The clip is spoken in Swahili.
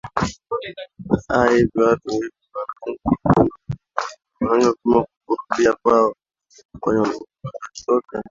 a hivi watu hivi wanaanza kupima kurudia kwao kwenye walitoka